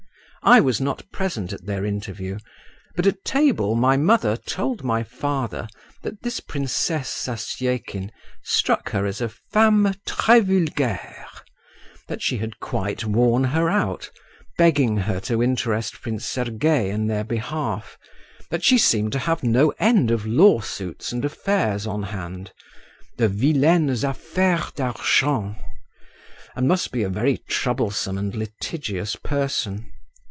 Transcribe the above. I was not present at their interview, but at table my mother told my father that this Prince Zasyekin struck her as a femme très vulgaire, that she had quite worn her out begging her to interest Prince Sergei in their behalf, that she seemed to have no end of lawsuits and affairs on hand—de vilaines affaires d'argent—and must be a very troublesome and litigious person.